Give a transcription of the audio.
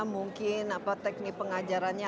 mungkin teknik pengajarannya